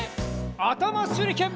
あたましゅりけん！